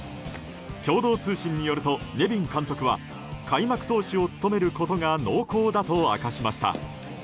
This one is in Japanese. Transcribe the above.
共同通信によるとネビン監督は開幕投手を務めることが濃厚だと明かしました。